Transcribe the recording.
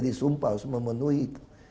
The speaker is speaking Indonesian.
disumpah harus memenuhi itu